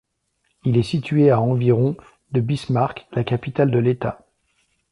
Il est situé à environ de Bismarck, la capitale de l'État.